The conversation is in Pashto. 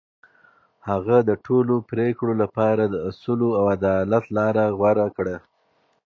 هغه د ټولو پرېکړو لپاره د اصولو او عدالت لار غوره کړه.